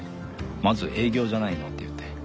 まず営業じゃないのって言うて。